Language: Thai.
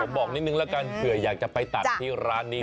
บอกนิดนึงแล้วกันเผื่ออยากจะไปตัดที่ร้านนี้